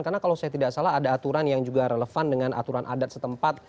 karena kalau saya tidak salah ada aturan yang juga relevan dengan aturan adat setempat